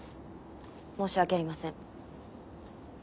申し訳ありません。